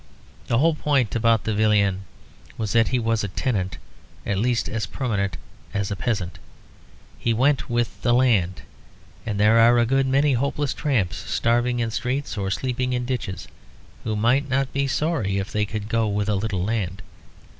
The whole point about the villein was that he was a tenant at least as permanent as a peasant. He "went with the land"; and there are a good many hopeless tramps starving in streets, or sleeping in ditches, who might not be sorry if they could go with a little land.